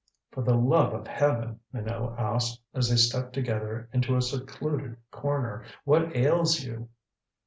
"For the love of heaven," Minot asked, as they stepped together into a secluded corner, "what ails you?"